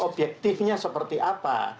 objektifnya seperti apa